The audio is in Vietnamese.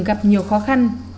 gặp nhiều khó khăn